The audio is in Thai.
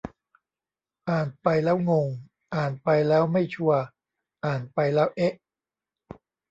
อ่านไปแล้วงง อ่านไปแล้วไม่ชัวร์ อ่านไปแล้ว เอ๊ะ